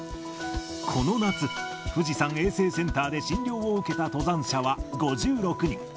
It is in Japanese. この夏、富士山衛生センターで診療を受けた登山者は５６人。